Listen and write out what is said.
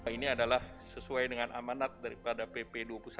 ini adalah sesuai dengan amanat daripada pp dua puluh satu